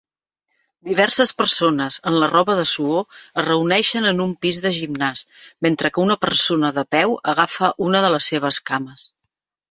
Diverses persones en la roba de suor es reuneixen en un pis de gimnàs, mentre que una persona de peu agafa una de les seves cames